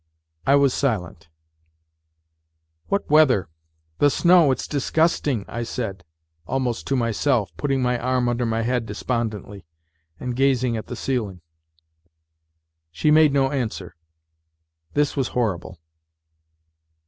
I was silent. " What weather ! The snow ... it's disgusting !" I said, almost to myself, putting my arm under my head despondently, and gazing at the ceiling. She made no answer. This was horrible.